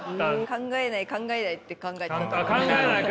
「考えない考えない」って考えてた。